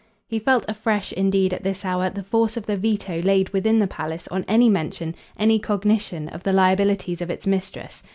He felt afresh indeed at this hour the force of the veto laid within the palace on any mention, any cognition, of the liabilities of its mistress.